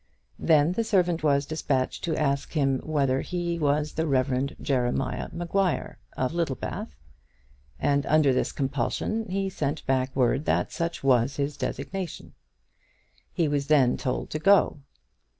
Then the servant was despatched to ask him whether or no he was the Rev. Jeremiah Maguire, of Littlebath, and under this compulsion he sent back word that such was his designation. He was then told to go.